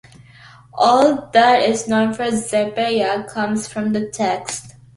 All that is known of Zephaniah comes from the text.